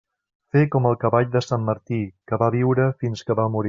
Fer com el cavall de sant Martí, que va viure fins que va morir.